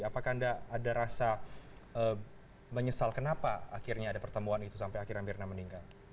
apakah anda ada rasa menyesal kenapa akhirnya ada pertemuan itu sampai akhirnya mirna meninggal